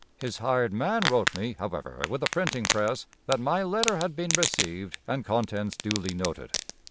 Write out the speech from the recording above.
His hired man wrote me, however, with a printing press, that my letter had been received and contents duly noted.